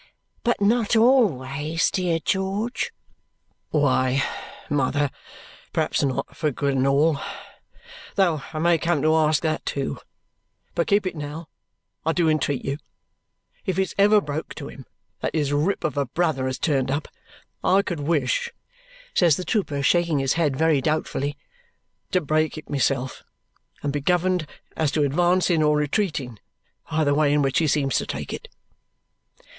"But not always, dear George?" "Why, mother, perhaps not for good and all though I may come to ask that too but keep it now, I do entreat you. If it's ever broke to him that his rip of a brother has turned up, I could wish," says the trooper, shaking his head very doubtfully, "to break it myself and be governed as to advancing or retreating by the way in which he seems to take it."